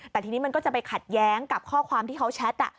แต่ทีนี้มันก็จะไปขัดแย้งกับข้อความที่เขาแชท